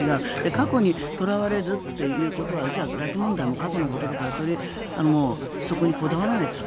過去にとらわれずということはじゃあ、拉致問題も過去のことだからそこにこだわらないと。